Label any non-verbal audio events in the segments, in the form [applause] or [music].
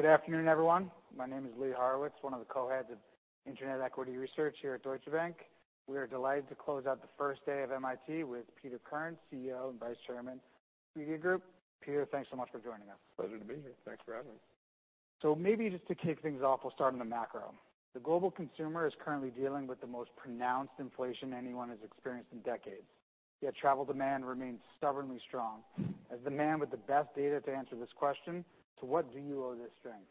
Good afternoon, everyone. My name is Lee Horowitz, one of the Co-Heads of Internet Equity Research here at Deutsche Bank. We are delighted to close out the first day of MIT with Peter Kern, CEO and Vice Chairman, Expedia Group. Peter, thanks so much for joining us. Pleasure to be here. Thanks for having me. Maybe just to kick things off, we'll start on the macro. The global consumer is currently dealing with the most pronounced inflation anyone has experienced in decades, yet travel demand remains stubbornly strong. As the man with the best data to answer this question, to what do you owe this strength?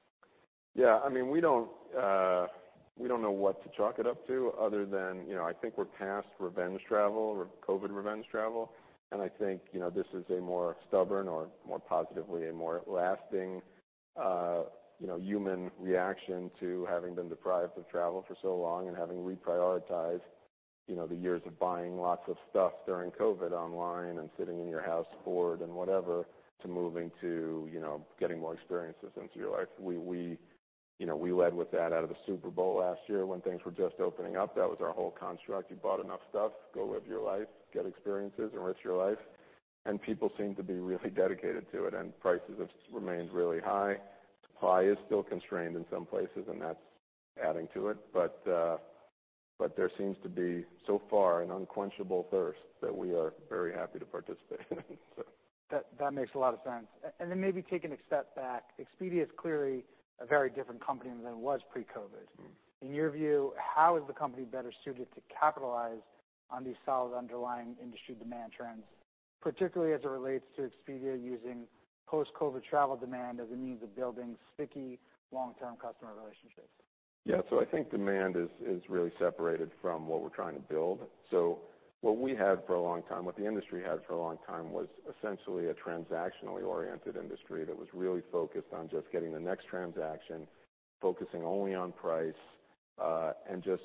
Yeah, I mean, we don't know what to chalk it up to other than, you know, I think we're past revenge travel or COVID revenge travel. I think, you know, this is a more stubborn or more positively, a more lasting, you know, human reaction to having been deprived of travel for so long and having reprioritized, you know, the years of buying lots of stuff during COVID online and sitting in your house bored and whatever, to moving to, you know, getting more experiences into your life. We, you know, led with that out of the Super Bowl last year when things were just opening up. That was our whole construct. You bought enough stuff, go live your life, get experiences, enrich your life. People seem to be really dedicated to it, and prices have remained really high. Supply is still constrained in some places, and that's adding to it. There seems to be, so far, an unquenchable thirst that we are very happy to participate in. That makes a lot of sense. Then maybe taking a step back, Expedia is clearly a very different company than it was pre-COVID. In your view, how is the company better suited to capitalize on these solid underlying industry demand trends, particularly as it relates to Expedia using post-COVID travel demand as a means of building sticky, long-term customer relationships? I think demand is really separated from what we're trying to build. What we had for a long time, what the industry had for a long time was essentially a transactionally oriented industry that was really focused on just getting the next transaction, focusing only on price, and just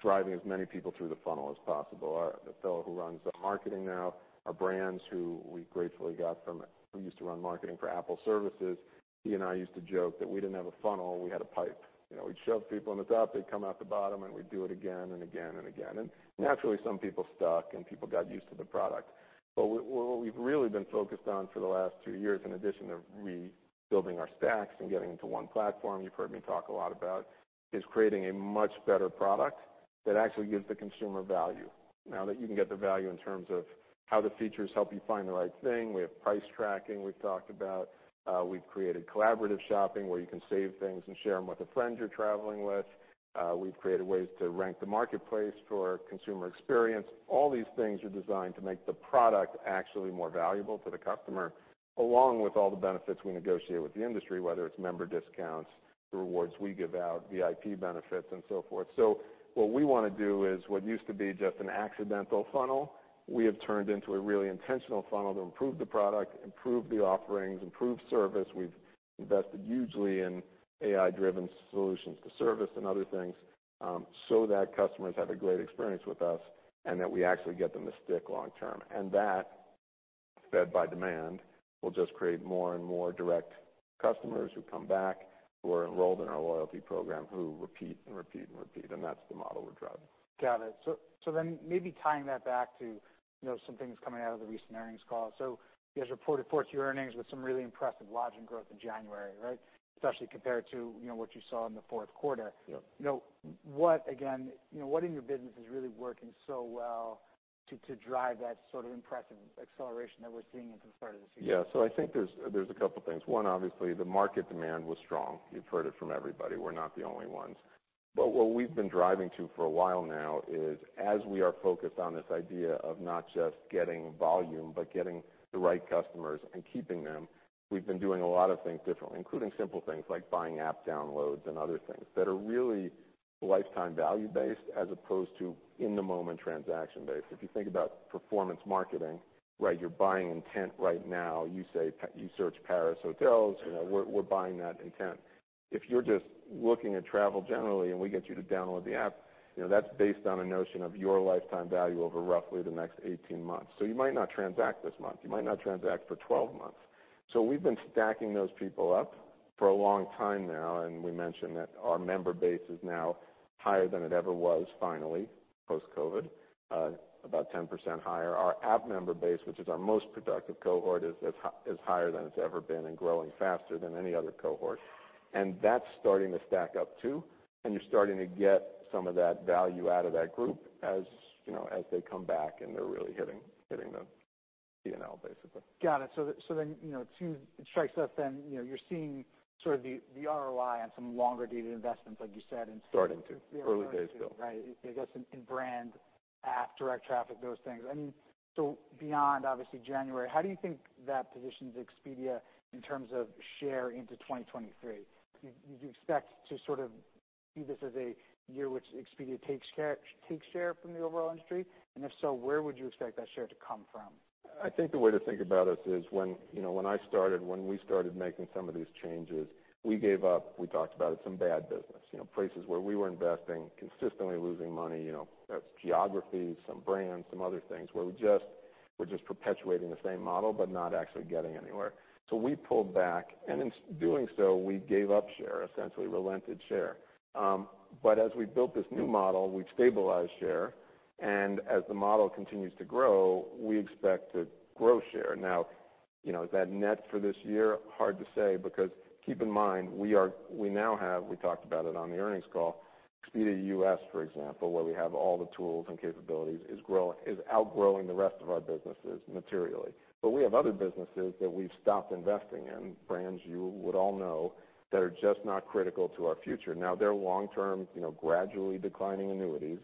driving as many people through the funnel as possible. The fellow who runs the marketing now, our brands, who we gratefully got from who used to run marketing for Apple Services, he and I used to joke that we didn't have a funnel, we had a pipe. You know, we'd shove people in the top, they'd come out the bottom, and we'd do it again and again and again. Naturally, some people stuck and people got used to the product. What we've really been focused on for the last two years, in addition to rebuilding our stacks and getting into one platform, you've heard me talk a lot about, is creating a much better product that actually gives the consumer value. Now that you can get the value in terms of how the features help you find the right thing. We have price tracking we've talked about. We've created collaborative shopping, where you can save things and share them with a friend you're traveling with. We've created ways to rank the marketplace for consumer experience. All these things are designed to make the product actually more valuable to the customer, along with all the benefits we negotiate with the industry, whether it's member discounts, the rewards we give out, VIP benefits, and so forth. What we want to do is what used to be just an accidental funnel, we have turned into a really intentional funnel to improve the product, improve the offerings, improve service. We've invested hugely in AI-driven solutions to service and other things, so that customers have a great experience with us and that we actually get them to stick long-term. That, fed by demand, will just create more and more direct customers who come back, who are enrolled in our loyalty program, who repeat and repeat and repeat, and that's the model we're driving. Got it. Maybe tying that back to, you know, some things coming out of the recent earnings call. You guys reported fourth-year earnings with some really impressive lodging growth in January, right? Especially compared to, you know, what you saw in the fourth quarter. You know, Again, what in your business is really working so well to drive that sort of impressive acceleration that we're seeing at the start of the season? I think there's a couple things. One, obviously, the market demand was strong. You've heard it from everybody. We're not the only ones. What we've been driving to for a while now is, as we are focused on this idea of not just getting volume but getting the right customers and keeping them, we've been doing a lot of things differently, including simple things like buying app downloads and other things that are really lifetime value-based as opposed to in the moment transaction-based. If you think about performance marketing, right, you're buying intent right now. You search Paris hotels. You know, we're buying that intent. If you're just looking at travel generally and we get you to download the app, you know, that's based on a notion of your lifetime value over roughly the next 18 months. You might not transact this month, you might not transact for 12 months. We've been stacking those people up for a long time now, and we mentioned that our member base is now higher than it ever was, finally, post-COVID, about 10% higher. Our app member base, which is our most productive cohort, is higher than it's ever been and growing faster than any other cohort. That's starting to stack up too, and you're starting to get some of that value out of that group you know, as they come back and they're really hitting the P&L, basically. Got it. You know, it strikes us then, you know, you're seeing sort of the ROI on some longer-dated investments? Starting to. Early days still. Right. I guess in brand, app, direct traffic, those things. I mean, beyond obviously January, how do you think that positions Expedia in terms of share into 2023? Do you expect to sort of view this as a year which Expedia takes share from the overall industry? If so, where would you expect that share to come from? I think the way to think about us is, you know, when I started, when we started making some of these changes, we gave up, we talked about it, some bad business. You know, places where we were investing, consistently losing money. You know, that's geographies, some brands, some other things where we're just perpetuating the same model, not actually getting anywhere. We pulled back, and in doing so, we gave up share, essentially relented share. As we built this new model, we've stabilized share. And as the model continues to grow, we expect to grow share. Now, you know, is that net for this year? Hard to say, because keep in mind, we now have, we talked about it on the earnings call, Expedia U.S., for example, where we have all the tools and capabilities is outgrowing the rest of our businesses materially. We have other businesses that we've stopped investing in, brands you would all know, that are just not critical to our future. Now, they're long-term, you know, gradually declining annuities,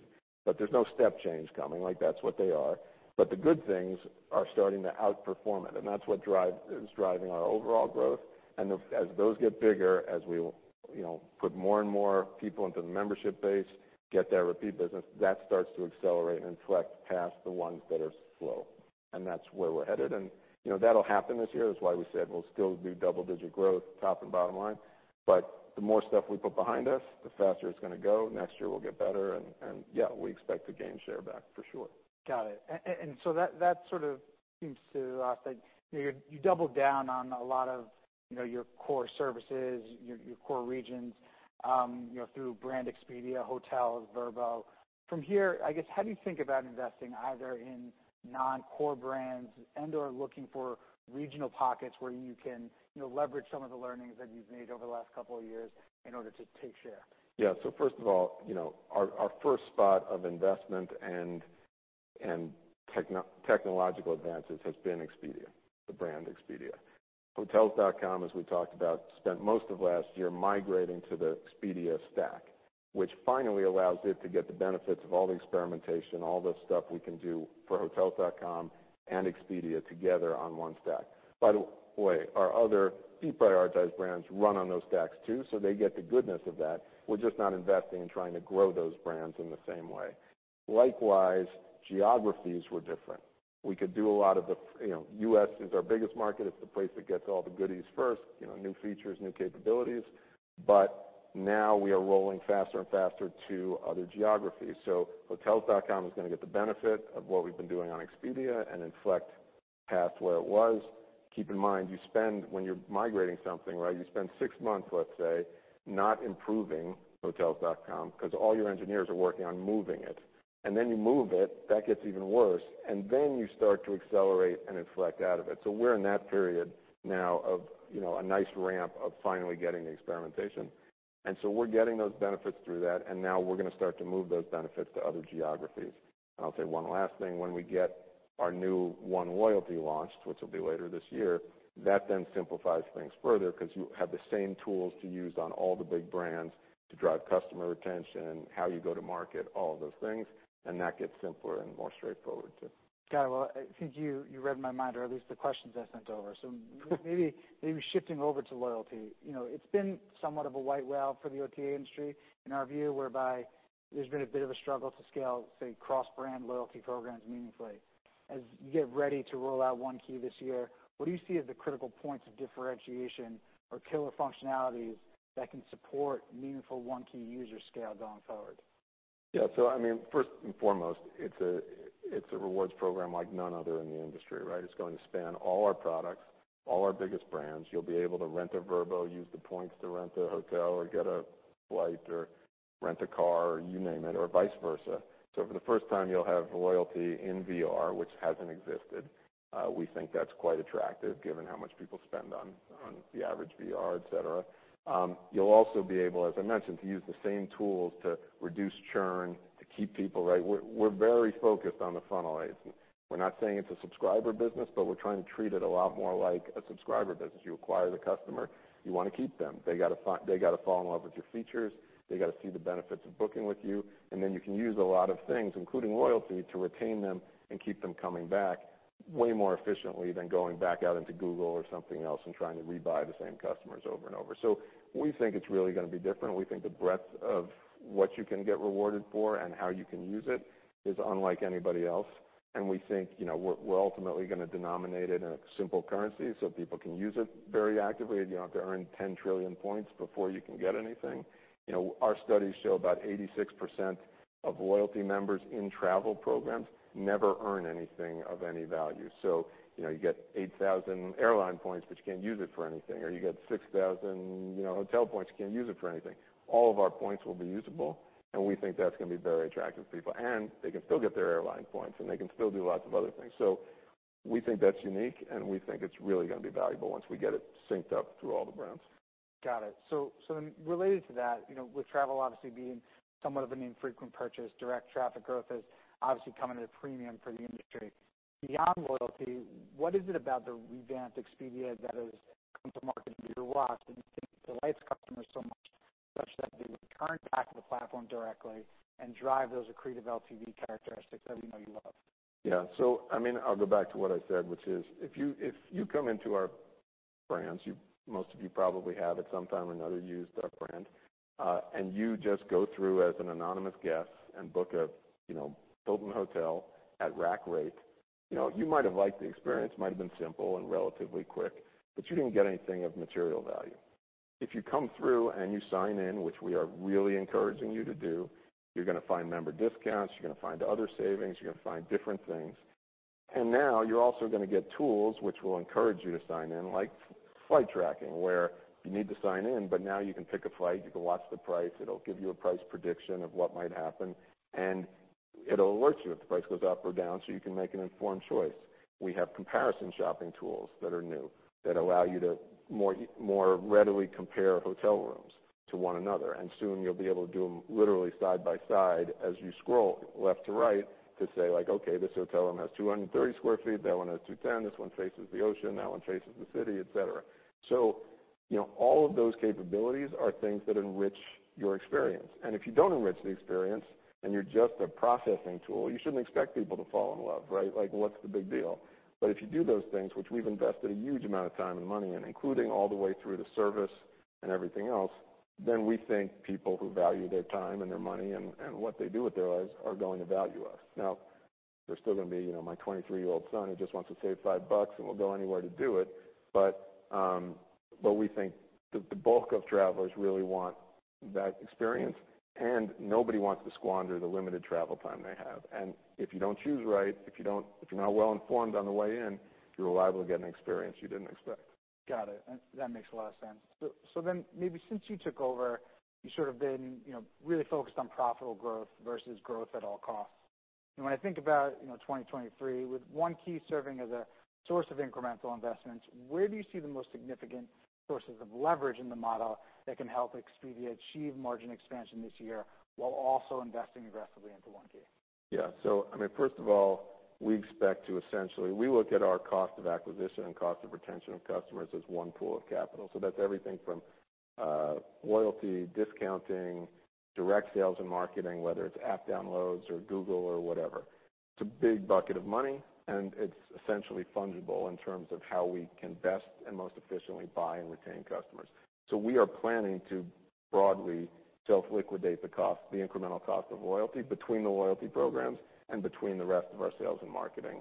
but there's no step change coming. That's what they are. The good things are starting to outperform it, and that's what is driving our overall growth. As those get bigger, as we you know, put more and more people into the membership base, get that repeat business, that starts to accelerate and inflect past the ones that are slow. That's where we're headed. You know, that'll happen this year. That's why we said we'll still do double-digit growth, top and bottom line. The more stuff we put behind us, the faster it's going to go. Next year will get better and yeah, we expect to gain share back for sure. Got it. That sort of seems to us like, you know, you doubled down on a lot of, you know, your core services, your core regions, you know, through Brand Expedia, Hotels, Vrbo. From here, I guess, how do you think about investing either in non-core brands and/or looking for regional pockets where you can, you know, leverage some of the learnings that you've made over the last couple of years in order to take share? Yeah. First of all, you know, our first spot of investment and technological advances has been Expedia, the brand Expedia. Hotels.com, as we talked about, spent most of last year migrating to the Expedia stack, which finally allows it to get the benefits of all the experimentation, all the stuff we can do for Hotels.com and Expedia together on one stack. By the way, our other deprioritized brands run on those stacks too, so they get the goodness of that. We're just not investing in trying to grow those brands in the same way. Likewise, geographies were different. You know, U.S. is our biggest market. It's the place that gets all the goodies first, you know, new features, new capabilities. Now we are rolling faster and faster to other geographies. Hotels.com is going to get the benefit of what we've been doing on Expedia and inflect past where it was. Keep in mind, you spend, when you're migrating something, right, you spend six months, let's say, not improving Hotels.com because all your engineers are working on moving it. You move it, that gets even worse, and then you start to accelerate and inflect out of it. We're in that period now of, you know, a nice ramp of finally getting the experimentation. We're getting those benefits through that, and now we're going to start to move those benefits to other geographies. I'll say one last thing when we get our new One Key launched, which will be later this year, that then simplifies things further cause you have the same tools to use on all the big brands to drive customer retention, how you go to market, all of those things, and that gets simpler and more straightforward too. Got it. Well, I think you read my mind, or at least the questions I sent over. Maybe shifting over to loyalty. You know, it's been somewhat of a white whale for the OTA industry in our view, whereby there's been a bit of a struggle to scale, say, cross-brand loyalty programs meaningfully. As you get ready to roll out One Key this year, what do you see as the critical points of differentiation or killer functionalities that can support meaningful One Key user scale going forward? I mean, first and foremost, it's a rewards program like none other in the industry, right? It's going to span all our products, all our biggest brands. You'll be able to rent a Vrbo, use the points to rent a hotel or get a flight or rent a car, you name it, or vice versa. For the first time you'll have loyalty in VR, which hasn't existed. We think that's quite attractive given how much people spend on the average VR, etc. You'll also be able, as I mentioned, to use the same tools to reduce churn, to keep people, right? We're very focused on the funnel. We're not saying it's a subscriber business, we're trying to treat it a lot more like a subscriber business. You acquire the customer, you want to keep them. They got to fall in love with your features. They got to see the benefits of booking with you. You can use a lot of things, including loyalty, to retain them and keep them coming back way more efficiently than going back out into Google or something else and trying to rebuy the same customers over and over. We think it's really going to be different. We think the breadth of what you can get rewarded for and how you can use it is unlike anybody else. We think, you know, we're ultimately going to denominate it in a simple currency, so people can use it very actively. You don't have to earn 10 trillion points before you can get anything. You know, our studies show about 86% of loyalty members in travel programs never earn anything of any value. You know, you get 8,000 airline points, but you can't use it for anything. you get 6,000, you know, hotel points, you can't use it for anything. All of our points will be usable, and we think that's going to be very attractive to people. They can still get their airline points, and they can still do lots of other things. So, we think that's unique, and we think it's really going to be valuable once we get it synced up through all the brands. Got it. Related to that, you know, with travel obviously being somewhat of an infrequent purchase, direct traffic growth is obviously coming at a premium for the industry. Beyond loyalty, what is it about the revamped Expedia that has come to market under your watch that you think delights customers so much such that they return back to the platform directly and drive those accretive LTV characteristics that we know you love? I mean, I'll go back to what I said, which is if you, if you come into our brands, you, most of you probably have at some time or another used our brand, and you just go through as an anonymous guest and book a, you know, Hilton hotel at rack rate, you know, you might have liked the experience. Might have been simple and relatively quick, but you didn't get anything of material value. If you come through and you sign in, which we are really encouraging you to do, you're going to find member discounts, you're going to find other savings, you're going to find different things. Now you're also going to get tools which will encourage you to sign in, like flight tracking, where you need to sign in, but now you can pick a flight, you can watch the price, it'll give you a price prediction of what might happen, and it'll alert you if the price goes up or down, so you can make an informed choice. We have comparison shopping tools that are new, that allow you to more readily compare hotel rooms to one another. Soon you'll be able to do them literally side by side as you scroll left to right to say, like, "Okay, this hotel room has 230 sq ft. That one has 210 sq ft. This one faces the ocean. That one faces the city," etc. You know, all of those capabilities are things that enrich your experience. If you don't enrich the experience, and you're just a processing tool, you shouldn't expect people to fall in love, right? Like, what's the big deal? If you do those things, which we've invested a huge amount of time and money in, including all the way through to service and everything else, then we think people who value their time, and their money, and what they do with their lives are going to value us. There's still going to be, you know, my 23-year-old son who just wants to save $5 and will go anywhere to do it, but we think the bulk of travelers really want that experience, and nobody wants to squander the limited travel time they have. If you don't choose right, if you're not well informed on the way in, you're liable to get an experience you didn't expect. Got it. That makes a lot of sense. Maybe since you took over, you sort of been, you know, really focused on profitable growth versus growth at all costs. When I think about, you know, 2023, with One Key serving as a source of incremental investments, where do you see the most significant sources of leverage in the model that can help Expedia achieve margin expansion this year while also investing aggressively into One Key? I mean, first of all, we look at our cost of acquisition and cost of retention of customers as one pool of capital. That's everything from loyalty, discounting, direct sales and marketing, whether it's app downloads or Google or whatever. It's a big bucket of money, and it's essentially fungible in terms of how we can best and most efficiently buy and retain customers. We are planning to broadly self-liquidate the cost, the incremental cost of loyalty between the loyalty programs and between the rest of our sales and marketing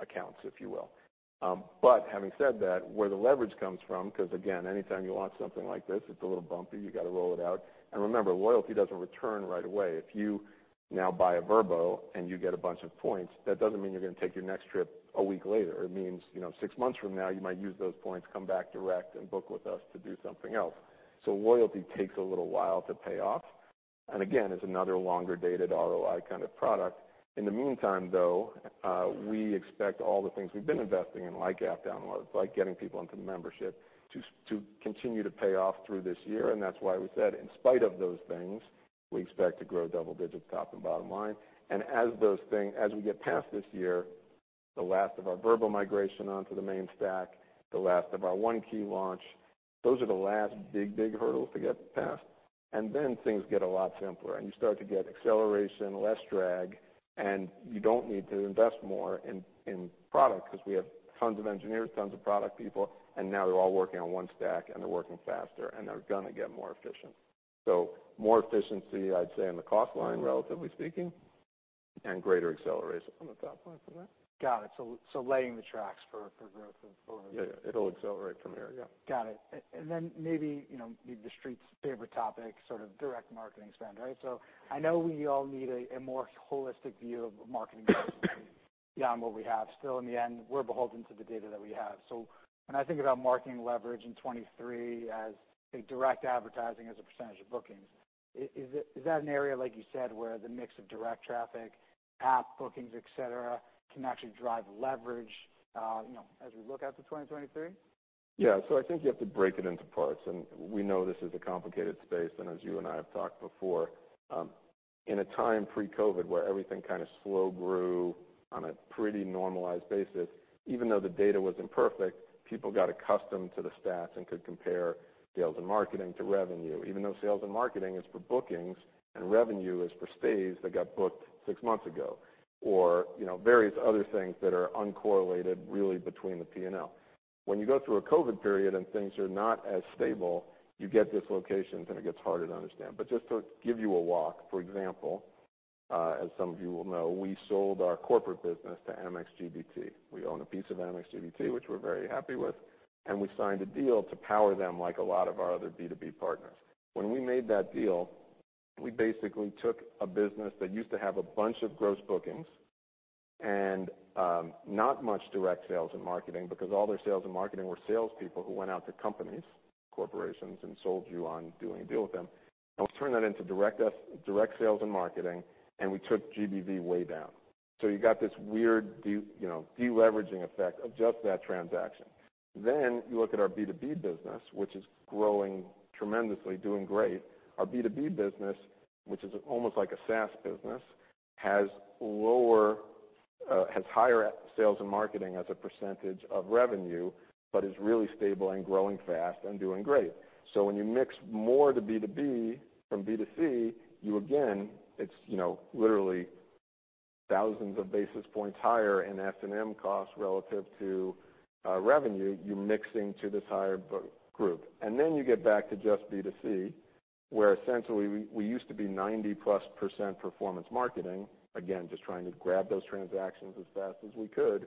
accounts, if you will. Having said that, where the leverage comes from, because again, anytime you launch something like this, it's a little bumpy. You got to roll it out. Remember, loyalty doesn't return right away. If you now buy a Vrbo and you get a bunch of points, that doesn't mean you're going to take your next trip a week later. It means, you know, six months from now, you might use those points, come back direct, and book with us to do something else. Loyalty takes a little while to pay off, and again, is another longer-dated ROI kind of product. In the meantime, though, we expect all the things we've been investing in, like app downloads, like getting people into membership, to continue to pay off through this year, and that's why we said in spite of those things, we expect to grow double digits top and bottom line. As we get past this year, the last of our Vrbo migration onto the main stack, the last of our One Key launch, those are the last big, big hurdles to get past. Then things get a lot simpler, and you start to get acceleration, less drag, and you don't need to invest more in product because we have tons of engineers, tons of product people, and now they're all working on one stack, and they're working faster, and they're going to get more efficient. More efficiency, I'd say, on the cost line, relatively speaking, and greater acceleration on the top line from that. Got it. Laying the tracks for growth and forward. Yeah. It'll accelerate from here. Yeah. Got it. Then maybe, you know, maybe the Street's favorite topic, sort of direct marketing spend, right? I know we all need a more holistic view of marketing beyond what we have. Still, in the end, we're beholden to the data that we have. When I think about marketing leverage in 2023 as, say, direct advertising as a percentage of bookings, is that an area, like you said, where the mix of direct traffic, app bookings, et cetera, can actually drive leverage, you know, as we look out to 2023? I think you have to break it into parts. We know this is a complicated space, and as you and I have talked before, in a time pre-COVID, where everything kinda slow grew on a pretty normalized basis, even though the data was imperfect, people got accustomed to the stats and could compare sales and marketing to revenue, even though sales and marketing is for bookings and revenue is for stays that got booked six months ago or, you know, various other things that are uncorrelated really between the P&L. When you go through a COVID period and things are not as stable, you get dislocations, and it gets harder to understand. Just to give you a walk, for example, as some of you will know, we sold our corporate business to Amex GBT. We own a piece of Amex GBT, which we're very happy with. We signed a deal to power them like a lot of our other B2B partners. When we made that deal, we basically took a business that used to have a bunch of gross bookings, not much direct sales and marketing because all their sales and marketing were salespeople who went out to companies, corporations, and sold you on doing a deal with them. Let's turn that into direct sales and marketing. We took GBV way down. You got this weird, you know, de-leveraging effect of just that transaction. You look at our B2B business, which is growing tremendously, doing great. Our B2B business, which is almost like a SaaS business, has higher sales and marketing as a percentage of revenue, is really stable and growing fast and doing great. When you mix more to B2B from B2C, you again, it's, you know, literally thousands of basis points higher in S&M costs relative to revenue. You're mixing to this higher book group. You get back to just B2C, where essentially we used to be 90%+ performance marketing, again, just trying to grab those transactions as fast as we could.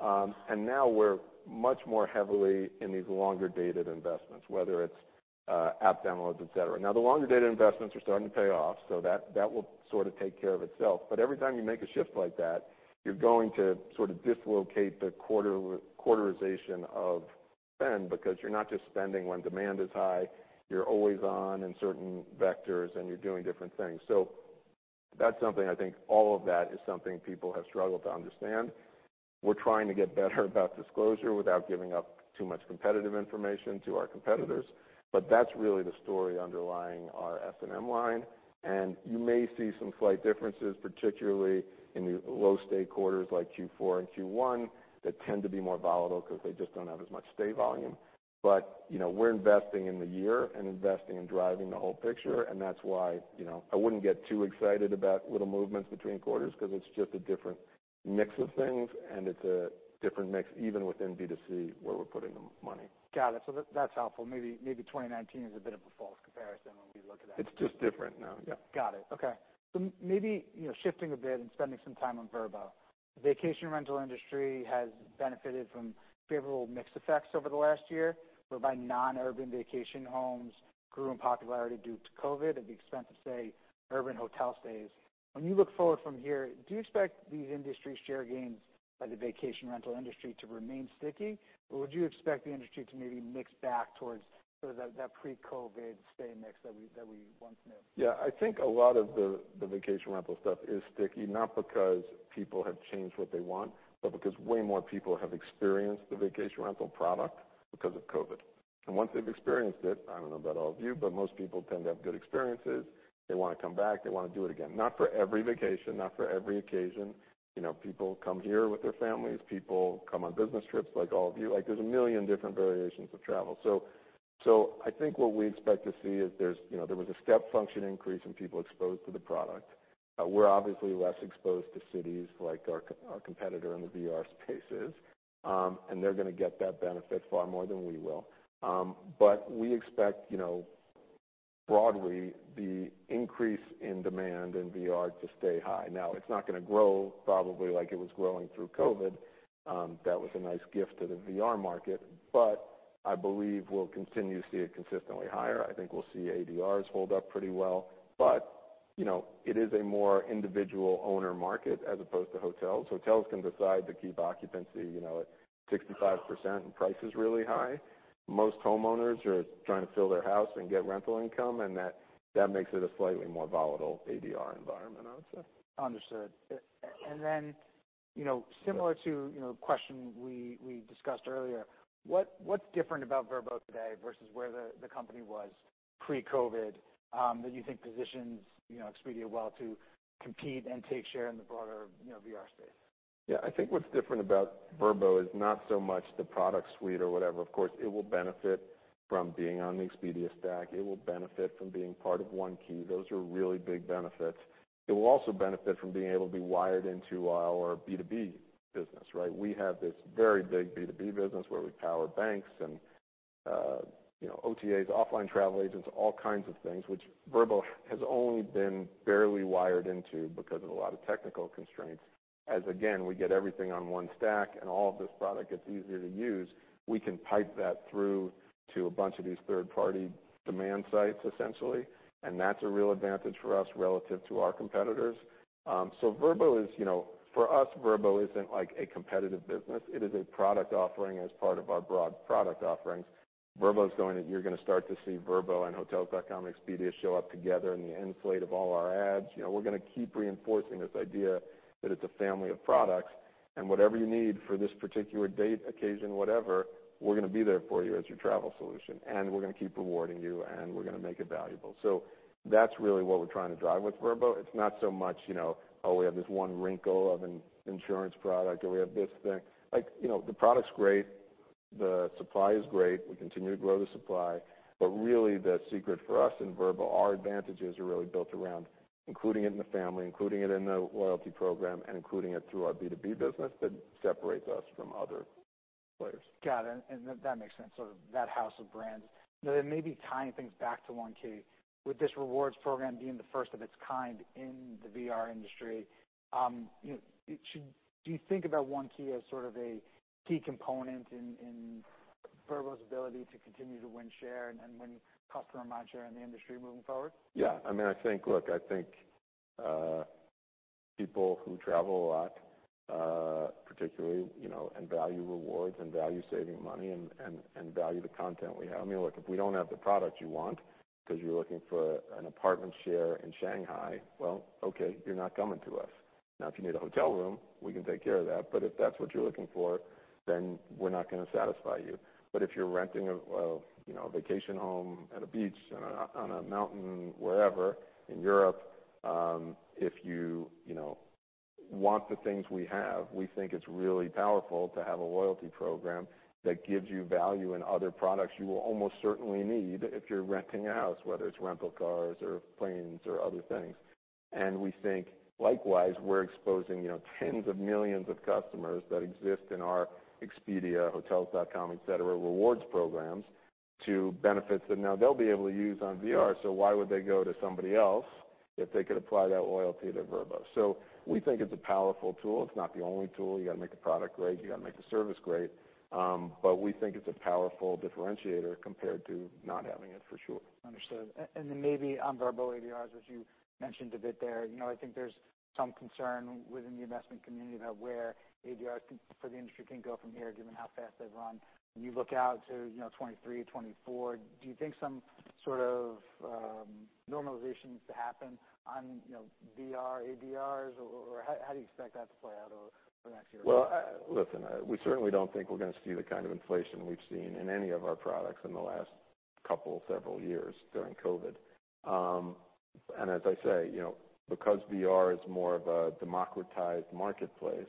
Now we're much more heavily in these longer-dated investments, whether it's app downloads, etc. Now, the longer data investments are starting to pay off, so that will sort of take care of itself. Every time you make a shift like that, you're going to sort of dislocate the quarter-quarterization of spend because you're not just spending when demand is high. You're always on in certain vectors and you're doing different things. That's something I think all of that is something people have struggled to understand. We're trying to get better about disclosure without giving up too much competitive information to our competitors. That's really the story underlying our S&M line. You may see some slight differences, particularly in low-stay quarters like Q4 and Q1, that tend to be more volatile because they just don't have as much stay volume. You know, we're investing in the year and investing in driving the whole picture, and that's why, you know, I wouldn't get too excited about little movements between quarters because it's just a different mix of things and it's a different mix even within B2C, where we're putting the money. Got it. That's helpful. Maybe 2019 is a bit of a false comparison when we look at that. It's just different now. Yeah. Got it. Okay. Maybe, you know, shifting a bit and spending some time on Vrbo. The vacation rental industry has benefited from favorable mixed effects over the last year, whereby non-urban vacation homes grew in popularity due to COVID at the expense of, say, urban hotel stays. When you look forward from here, do you expect these industry share gains by the vacation rental industry to remain sticky, or would you expect the industry to maybe mix back towards sort of that pre-COVID stay mix that we once knew? Yeah. I think a lot of the vacation rental stuff is sticky, not because people have changed what they want, but because way more people have experienced the vacation rental product because of COVID. Once they've experienced it, I don't know about all of you, but most people tend to have good experiences. They want to come back. They want to do it again. Not for every vacation, not for every occasion. You know, people come here with their families. People come on business trips, like all of you. Like, there's a million different variations of travel. I think what we expect to see is there's, you know, there was a step function increase in people exposed to the product. We're obviously less exposed to cities like our competitor in the VR space is, and they're going to get that benefit far more than we will. We expect, you know, broadly the increase in demand in VR to stay high. Now, it's not going to grow probably like it was growing through COVID. That was a nice gift to the VR market. I believe we'll continue to see it consistently higher. I think we'll see ADRs hold up pretty well. You know, it is a more individual owner market as opposed to hotels. Hotels can decide to keep occupancy, you know, at 65% and prices really high. Most homeowners are trying to fill their house and get rental income, and that makes it a slightly more volatile ADR environment, I would say. Understood. Then, you know, similar to, you know, a question we discussed earlier, what's different about Vrbo today versus where the company was pre-COVID, that you think positions, you know, Expedia well to compete and take share in the broader, you know, VR space? I think what's different about Vrbo is not so much the product suite or whatever. Of course, it will benefit from being on the Expedia stack. It will benefit from being part of One Key. Those are really big benefits. It will also benefit from being able to be wired into our B2B business, right? We have this very big B2B business where we power banks and, you know, OTAs, offline travel agents, all kinds of things, which Vrbo has only been barely wired into because of a lot of technical constraints. As again, we get everything on one stack and all of this product gets easier to use, we can pipe that through to a bunch of these third-party demand sites, essentially, and that's a real advantage for us relative to our competitors. So, for us, Vrbo isn't like a competitive business. It is a product offering as part of our broad product offerings. You're going to start to see Vrbo and Hotels.com and Expedia show up together in the end slate of all our ads. You know, we're going to keep reinforcing this idea that it's a family of products. Whatever you need for this particular date, occasion, whatever, we're going to be there for you as your travel solution. We're going to keep rewarding you. We're going to make it valuable. That's really what we're trying to drive with Vrbo. It's not so much, you know, we have this one wrinkle of an insurance product, or we have this thing. Like, you know, the product's great. The supply is great. We continue to grow the supply. Really, the secret for us in Vrbo, our advantages are really built around including it in the family, including it in the loyalty program, and including it through our B2B business that separates us from other players. Got it. That makes sense, sort of that house of brands. Maybe tying things back to One Key, with this rewards program being the first of its kind in the VR industry, you know, Do you think about One Key as sort of a key component in Vrbo's ability to continue to win share and win customer match share in the industry moving forward? Yeah. I mean, I think people who travel a lot, particularly, you know, and value rewards and value saving money and value the content we have. I mean, look, if we don't have the product you want because you're looking for an apartment share in Shanghai, well, okay, you're not coming to us. If you need a hotel room, we can take care of that, but if that's what you're looking for, then we're not going to satisfy you. If you're renting, you know, a vacation home at a beach, on a mountain, wherever in Europe, if you know, want the things we have, we think it's really powerful to have a loyalty program that gives you value in other products you will almost certainly need if you're renting a house, whether it's rental cars or planes or other things. We think likewise, we're exposing, you know, tens of millions of customers that exist in our Expedia, Hotels.com, etc., rewards programs to benefits that now they'll be able to use on VR. Why would they go to somebody else? If they could apply that loyalty to Vrbo. We think it's a powerful tool. It's not the only tool. You got to make the product great, you got to make the service great, but we think it's a powerful differentiator compared to not having it for sure. Understood. Then maybe on Vrbo ADRs, which you mentioned a bit there, you know, I think there's some concern within the investment community about where ADR for the industry can go from here given how fast they've run. When you look out to, you know, 2023, 2024, do you think some sort of normalization needs to happen on, you know, VR, ADRs, or how do you expect that to play out over the next year? Well, Listen, we certainly don't think we're going to see the kind of inflation we've seen in any of our products in the last couple, several years during COVID. As I say, you know, because Vrbo is more of a democratized marketplace,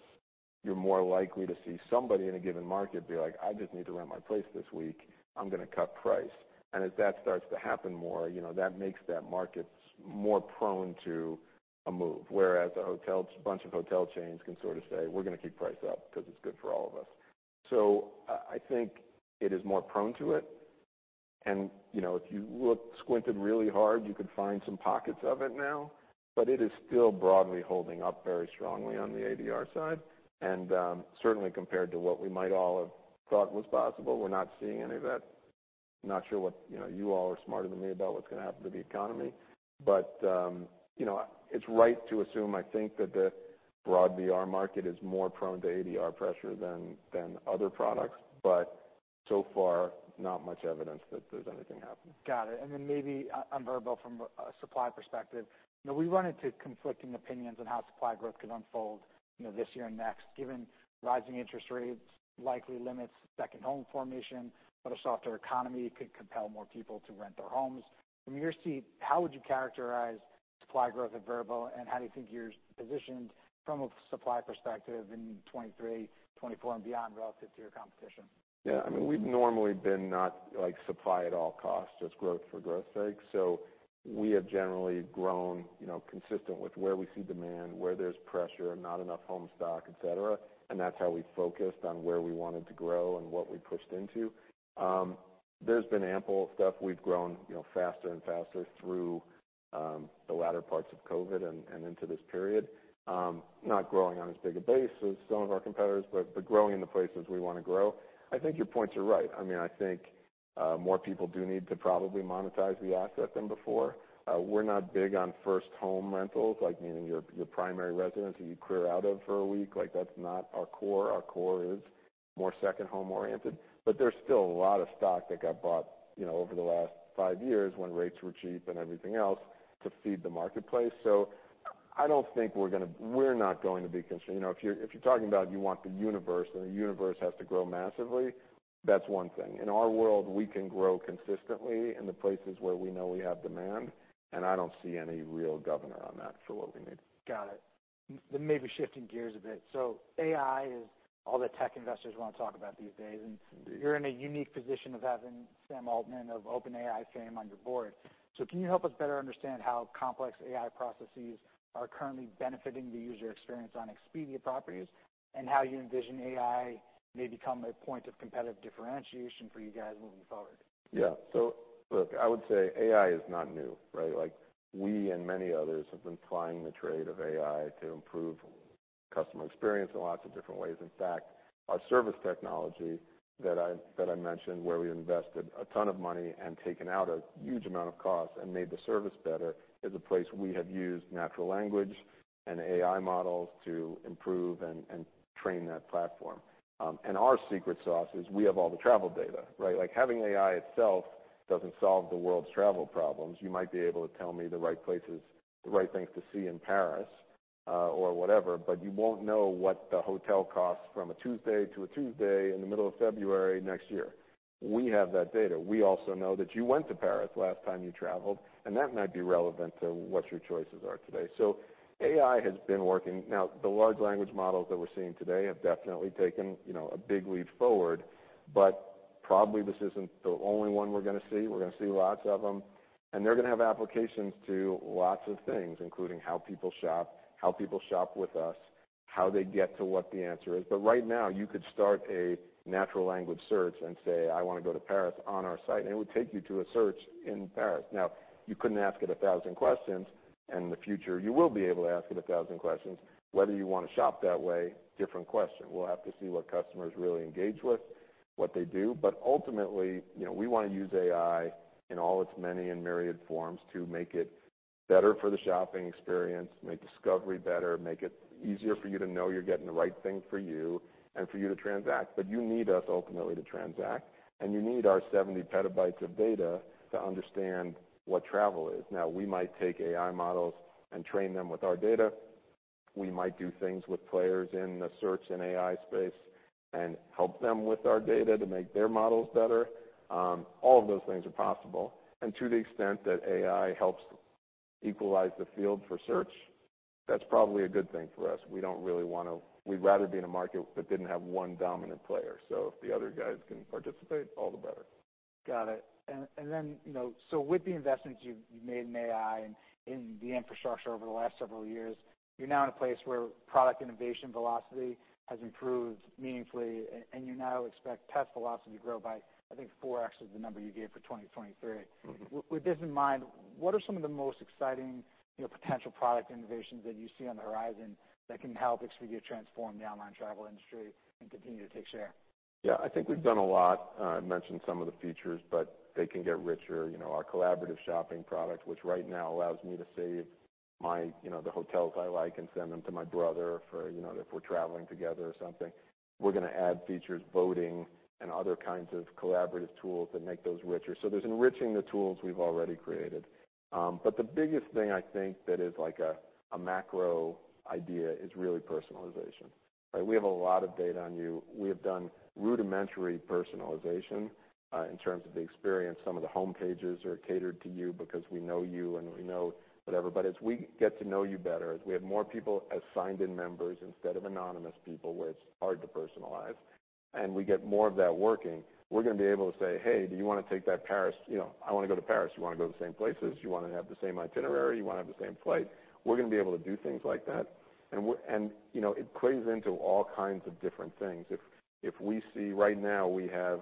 you're more likely to see somebody in a given market be like, "I just need to rent my place this week. I'm going to cut price." As that starts to happen more, you know, that makes that market more prone to a move, whereas a bunch of hotel chains can sort of say, "We're going to keep price up because it's good for all of us." I think it is more prone to it, and, you know, if you squinted really hard, you could find some pockets of it now, but it is still broadly holding up very strongly on the ADR side. Certainly compared to what we might all have thought was possible, we're not seeing any of it. Not sure you know, you all are smarter than me about what's going to happen to the economy. You know, it's right to assume, I think, that the broad VR market is more prone to ADR pressure than other products. So far, not much evidence that there's anything happening. Got it. Maybe on Vrbo from a supply perspective, you know, we run into conflicting opinions on how supply growth could unfold, you know, this year and next, given rising interest rates likely limits second home formation, but a softer economy could compel more people to rent their homes. From your seat, how would you characterize supply growth at Vrbo, and how do you think you're positioned from a supply perspective in 2023, 2024, and beyond relative to your competition? Yeah. I mean, we've normally been not, like, supply at all costs, just growth for growth's sake. We have generally grown, you know, consistent with where we see demand, where there's pressure, not enough home stock, etc., and that's how we focused on where we wanted to grow and what we pushed into. There's been ample stuff. We've grown, you know, faster and faster through the latter parts of COVID and into this period. Not growing on as big a base as some of our competitors, but growing in the places we want to grow. I think your points are right. I mean, I think more people do need to probably monetize the asset than before. We're not big on first home rentals, like, meaning your primary residence that you clear out of for a week. Like, that's not our core. Our core is more second home-oriented. There's still a lot of stock that got bought, you know, over the last five years when rates were cheap and everything else to feed the marketplace. We're not going to be concerned. You know, if you're talking about you want the universe and the universe has to grow massively, that's one thing. In our world, we can grow consistently in the places where we know we have demand, and I don't see any real governor on that for what we need. Got it. Maybe shifting gears a bit. AI is all that tech investors want to talk about these days, and you're in a unique position of having Sam Altman of OpenAI fame on your board. Can you help us better understand how complex AI processes are currently benefiting the user experience on Expedia properties and how you envision AI may become a point of competitive differentiation for you guys moving forward? Look, I would say AI is not new, right? Like, we and many others have been plying the trade of AI to improve customer experience in lots of different ways. In fact, our service technology that I mentioned, where we invested a ton of money and taken out a huge amount of cost and made the service better, is a place we have used natural language and AI models to improve and train that platform. Our secret sauce is we have all the travel data, right? Like, having AI itself doesn't solve the world's travel problems. You might be able to tell me the right places, the right things to see in Paris, or whatever. You won't know what the hotel costs from a Tuesday to a Tuesday in the middle of February next year. We have that data. We also know that you went to Paris last time you traveled, and that might be relevant to what your choices are today. AI has been working. The large language models that we're seeing today have definitely taken, you know, a big leap forward, but probably this isn't the only one we're going to see. We're going to see lots of them, and they're going to have applications to lots of things, including how people shop, how people shop with us, how they get to what the answer is. Right now, you could start a natural language search and say, "I want to go to Paris" on our site, and it would take you to a search in Paris. You couldn't ask it 1,000 questions, and in the future, you will be able to ask it 1,000 questions. Whether you want to shop that way, different question. We'll have to see what customers really engage with, what they do. Ultimately, you know, we want to use AI in all its many and myriad forms to make it better for the shopping experience, make discovery better, make it easier for you to know you're getting the right thing for you and for you to transact. You need us ultimately to transact, and you need our 70 PB of data to understand what travel is. We might take AI models and train them with our data. We might do things with players in the search and AI space and help them with our data to make their models better. All of those things are possible. To the extent that AI helps equalize the field for search, that's probably a good thing for us. We'd rather be in a market that didn't have one dominant player. If the other guys can participate, all the better. Got it. With the investments you've made in AI and in the infrastructure over the last several years, you're now in a place where product innovation velocity has improved meaningfully, and you now expect test velocity to grow by, I think, 4x is the number you gave for 2023. With this in mind, what are some of the most exciting, you know, potential product innovations that you see on the horizon that can help Expedia transform the online travel industry and continue to take share? Yeah, I think we've done a lot. I mentioned some of the features, but they can get richer. You know, our collaborative shopping product, which right now allows me to save, you know, the hotels I like and send them to my brother for, you know, if we're traveling together or something. We're going to add features, voting and other kinds of collaborative tools that make those richer. There's enriching the tools we've already created. The biggest thing I think that is like a macro idea is really personalization, right? We have a lot of data on you. We have done rudimentary personalization in terms of the experience. Some of the homepages are catered to you because we know you, and we know whatever. As we get to know you better, as we have more people as signed-in members instead of anonymous people, where it's hard to personalize, and we get more of that working, we're going to be able to say, "Hey, do you want to take that Paris? You know, I want to go to Paris. You want to go to the same places? You want to have the same itinerary? You want to have the same flight?" We're going to be able to do things like that, and, you know, it plays into all kinds of different things. If we see. Right now we have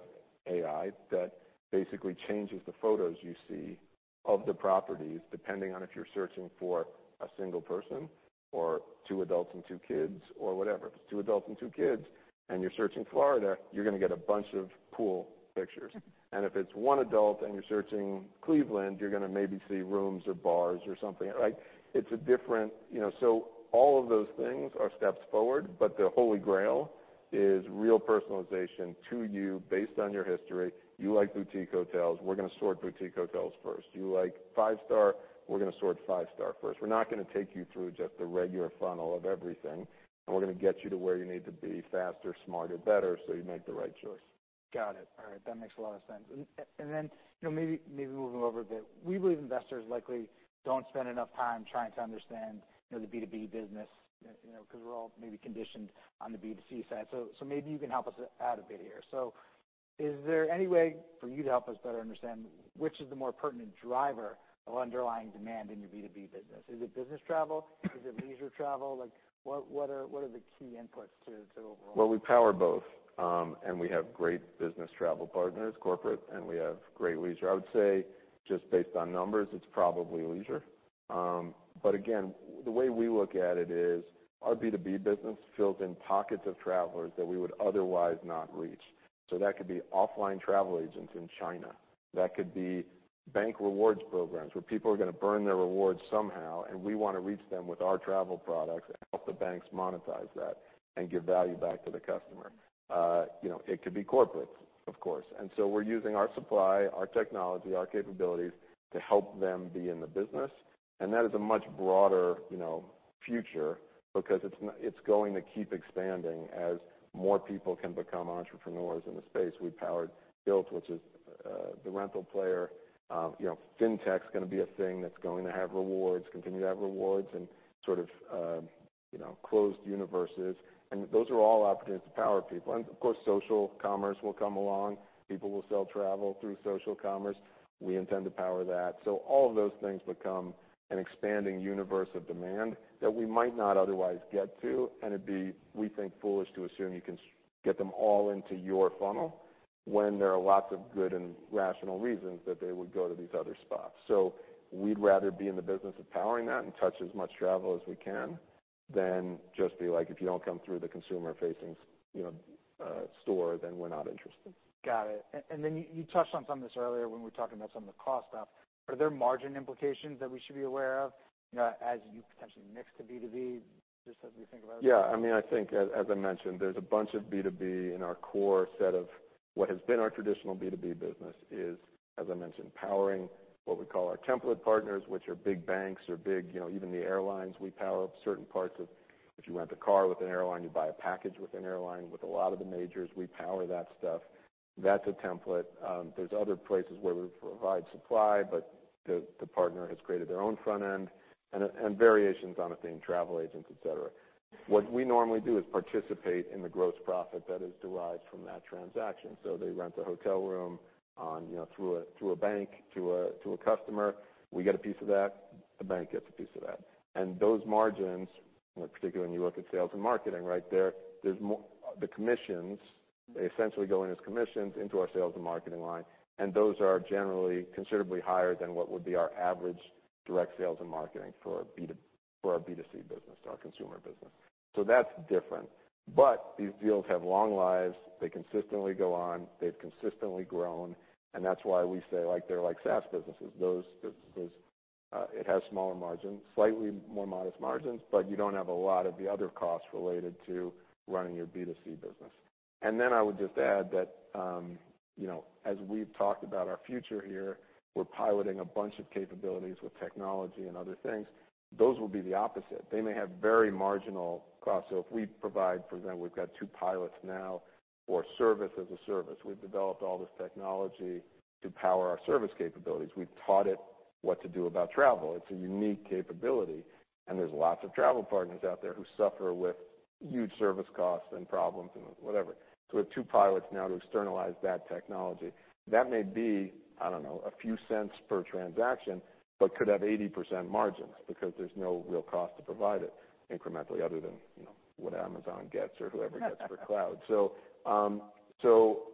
AI that basically changes the photos you see of the properties, depending on if you're searching for a single person or two adults and two kids or whatever. If it's two adults and two kids and you're searching Florida, you're going to get a bunch of pool pictures. If it's one adult and you're searching Cleveland, you're going to maybe see rooms or bars or something, right? It's a different. You know, all of those things are steps forward, but the holy grail is real personalization to you based on your history. You like boutique hotels, we're going to sort boutique hotels first. You like five-star, we're going to sort five-star first. We're not going to take you through just the regular funnel of everything. We're going to get you to where you need to be faster, smarter, better, so you make the right choice. Got it. All right. That makes a lot of sense. Then, you know, maybe moving over a bit, we believe investors likely don't spend enough time trying to understand, you know, the B2B business, you know, 'cause we're all maybe conditioned on the B2C side. Maybe you can help us out a bit here. Is there any way for you to help us better understand which is the more pertinent driver of underlying demand in your B2B business? Is it business travel? Is it leisure travel? Like, what are the key inputs to overall? Well, we power both. We have great business travel partners, corporate, and we have great leisure. I would say just based on numbers, it's probably leisure. Again, the way we look at it is our B2B business fills in pockets of travelers that we would otherwise not reach. That could be offline travel agents in China. That could be bank rewards programs, where people are going to burn their rewards somehow, and we want to reach them with our travel products and help the banks monetize that and give value back to the customer. You know, it could be corporate, of course. We're using our supply, our technology, our capabilities to help them be in the business, and that is a much broader, you know, future because it's going to keep expanding as more people can become entrepreneurs in the space. We powered Tilt, which is the rental player. You know, fintech's going to be a thing that's going to have rewards, continue to have rewards and sort of, you know, closed universes, and those are all opportunities to power people. Of course, social commerce will come along. People will sell travel through social commerce. We intend to power that. All of those things become an expanding universe of demand that we might not otherwise get to, and it would be, we think, foolish to assume you can get them all into your funnel when there are lots of good and rational reasons that they would go to these other spots. We'd rather be in the business of powering that and touch as much travel as we can than just be like, "If you don't come through the consumer-facing you know, store, then we're not interested. Got it. Then you touched on some of this earlier when we were talking about some of the cost stuff. Are there margin implications that we should be aware of, you know, as you potentially mix to B2B, just as we think about it? Yeah. I mean, I think as I mentioned, there's a bunch of B2B in our core set of what has been our traditional B2B business is, as I mentioned, powering what we call our template partners, which are big banks or big, you know, even the airlines we power up certain parts of. If you rent a car with an airline, you buy a package with an airline, with a lot of the majors, we power that stuff. That's a template. There's other places where we provide supply, but the partner has created their own front end and variations on a theme, travel agents, etc. What we normally do is participate in the gross profit that is derived from that transaction. They rent a hotel room on, you know, through a bank to a customer. We get a piece of that, the bank gets a piece of that. Those margins, you know, particularly when you look at S&M, right? The commissions, they essentially go in as commissions into our S&M line, and those are generally considerably higher than what would be our average direct S&M for our B2C business, our consumer business. That's different. These deals have long lives. They consistently go on. They've consistently grown, and that's why we say like they're like SaaS businesses. Those business, it has smaller margins, slightly more modest margins, but you don't have a lot of the other costs related to running your B2C business. I would just add that, you know, as we've talked about our future here, we're piloting a bunch of capabilities with technology and other things. Those will be the opposite. They may have very marginal costs. If we provide, for example, we've got two pilots now for Service-as-a-Service. We've developed all this technology to power our service capabilities. We've taught it what to do about travel. It's a unique capability, and there's lots of travel partners out there who suffer with huge service costs and problems and whatever. We have two pilots now to externalize that technology. That may be, I don't know, a few cents per transaction, but could have 80% margins because there's no real cost to provide it incrementally other than, you know, what Amazon gets or whoever gets for cloud.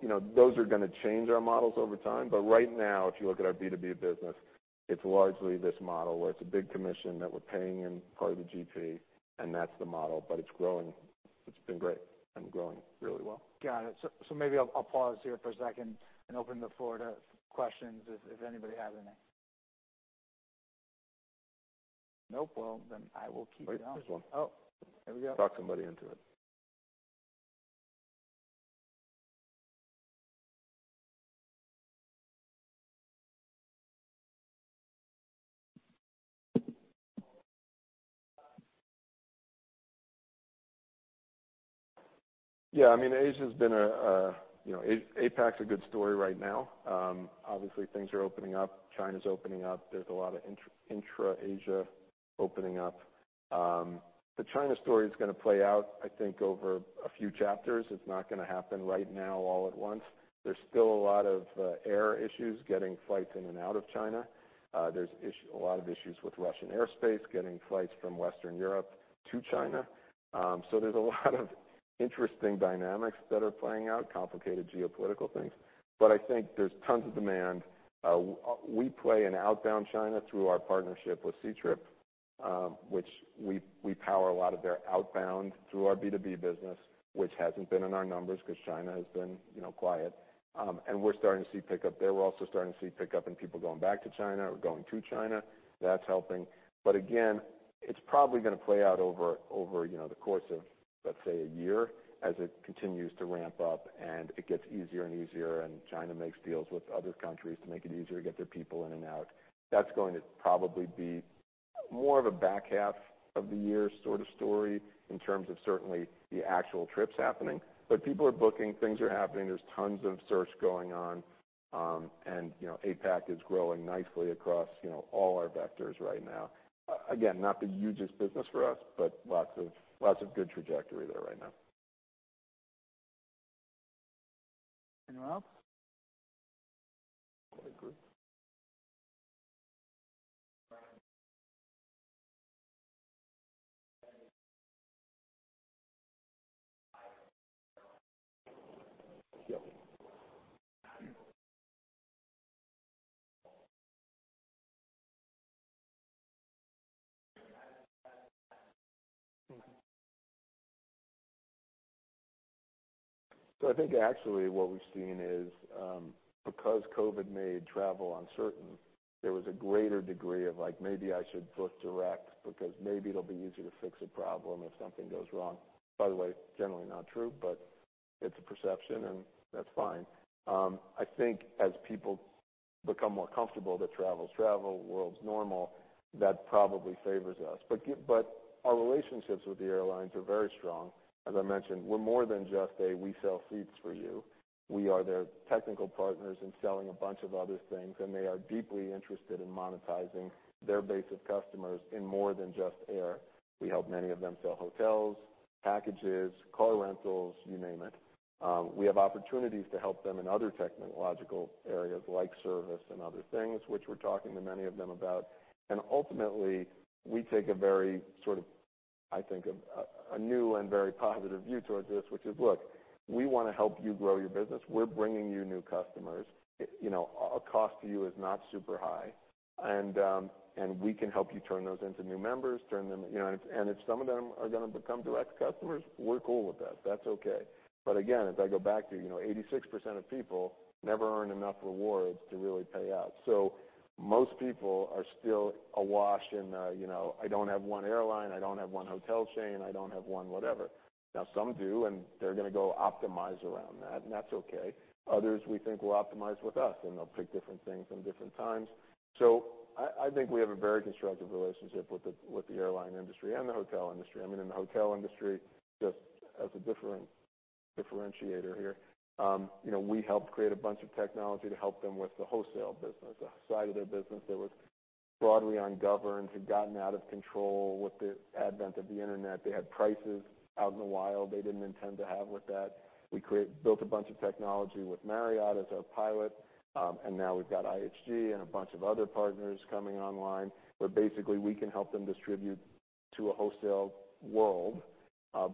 You know, those are going to change our models over time. Right now, if you look at our B2B business, it's largely this model where it's a big commission that we're paying in part of the GP, and that's the model, but it's growing. It's been great and growing really well. Got it. Maybe I'll pause here for a second and open the floor to questions if anybody has any. Nope. Wait, there's one. Here we go. Talk somebody into it. Yeah, I mean, Asia's been. You know, APAC's a good story right now. Obviously, things are opening up. China's opening up. There's a lot of intra-Asia opening up. The China story's going to play out, I think, over a few chapters. It's not going to happen right now all at once. There's still a lot of air issues getting flights in and out of China. There's a lot of issues with Russian airspace, getting flights from Western Europe to China. There's a lot of interesting dynamics that are playing out, complicated geopolitical things. I think there's tons of demand. We play in outbound China through our partnership with Ctrip, which we power a lot of their outbound through our B2B business, which hasn't been in our numbers because China has been, you know, quiet. We're starting to see pickup there. We're also starting to see pickup in people going back to China or going to China. That's helping. Again, it's probably going to play out over, you know, the course of, let's say, a year, as it continues to ramp up, and it gets easier and easier, and China makes deals with other countries to make it easier to get their people in and out. That's going to probably be more of a back half of the year sort of story in terms of certainly the actual trips happening. People are booking, things are happening. There's tons of search going on. You know, APAC is growing nicely across, you know, all our vectors right now. Again, not the hugest business for us, but lots of good trajectory there right now. Anyone else? [audio distortion] I think actually what we've seen is, because COVID made travel uncertain, there was a greater degree of, like, 'maybe I should book direct because maybe it'll be easier to fix a problem if something goes wrong.' By the way, generally not true, but it's a perception, and that's fine. I think as people become more comfortable that travel's travel, world's normal, that probably favors us. Our relationships with the airlines are very strong. As I mentioned, we're more than just we sell seats for you. We are their technical partners in selling a bunch of other things, and they are deeply interested in monetizing their base of customers in more than just air. We help many of them sell hotels, packages, car rentals, you name it. We have opportunities to help them in other technological areas like service and other things, which we're talking to many of them about. Ultimately, we take a very sort of, I think, a new and very positive view towards this, which is, "Look, we want to help you grow your business. We're bringing you new customers. You know, our cost to you is not super high. We can help you turn those into new members." If some of them are going to become direct customers, we're cool with that. That's okay. Again, if I go back to, you know, 86% of people never earn enough rewards to really pay out. Most people are still awash in, you know, "I don't have one airline. I don't have one hotel chain. I don't have one whatever." Now, some do, and they're going to go optimize around that, and that's okay. Others we think will optimize with us, and they'll pick different things at different times. I think we have a very constructive relationship with the airline industry and the hotel industry. I mean, in the hotel industry, just as a different differentiator here, you know, we helped create a bunch of technology to help them with the wholesale business, a side of their business that was broadly ungoverned, had gotten out of control with the advent of the internet. They had prices out in the wild they didn't intend to have with that. We built a bunch of technology with Marriott as our pilot, and now we've got IHG and a bunch of other partners coming online, where basically, we can help them distribute to a wholesale world,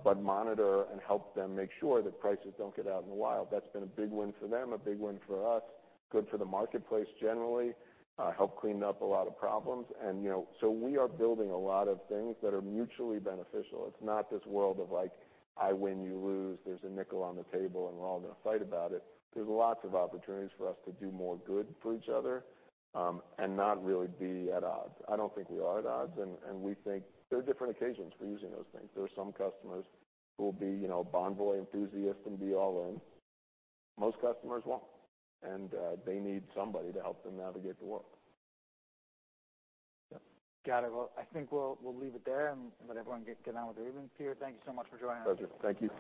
but monitor and help them make sure that prices don't get out in the wild. That's been a big win for them, a big win for us, good for the marketplace generally. Helped clean up a lot of problems. You know, so we are building a lot of things that are mutually beneficial. It's not this world of, like, I win, you lose, there's a nickel on the table, and we're all going to fight about it. There's lots of opportunities for us to do more good for each other, and not really be at odds. I don't think we are at odds, and we think there are different occasions for using those things. There are some customers who will be, you know, Bonvoy enthusiast and be all in. Most customers won't, and they need somebody to help them navigate the world. Yep. Got it. Well, I think we'll leave it there and let everyone get on with their evening. Peter, thank you so much for joining us. Pleasure. Thank you.